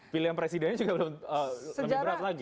pilihan presidennya juga lebih berat lagi